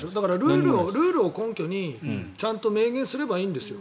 ルールを根拠にちゃんと明言すればいいんですよ